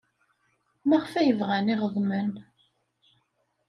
Maɣef ay bɣan iɣeḍmen?